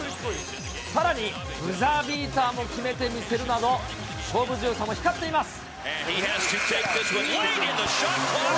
さらに、ブザービーターも決めてみせるなど、勝負強さも光っています。